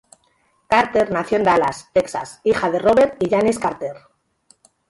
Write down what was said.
Carter nació en Dallas, Texas, hija de Robert y Janice Carter.